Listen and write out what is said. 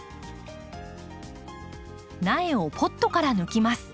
苗をポットから抜きます。